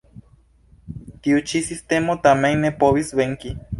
Tiu ĉi sistemo tamen ne povis venki.